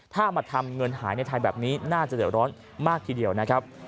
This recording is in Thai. ถ้ามาทำเงินหายในไทยแบบนี้น่าจะเดือดร้อนมากทีเดียวนะครับ